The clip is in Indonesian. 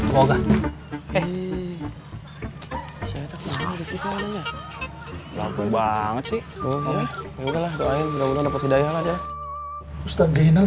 laku banget sih